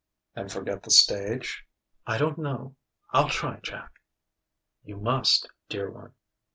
"And forget the stage ?" "I don't know I'll try, Jack." "You must, dear one."